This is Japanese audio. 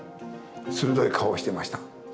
鋭い顔をしてました。